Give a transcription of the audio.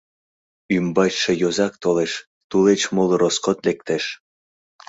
Ӱмбачше йозак толеш, тулеч моло роскот лектеш.